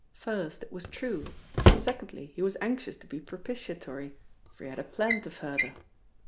First, it was true, and secondly he was anxious to be propitiatory, for he had a plan to further.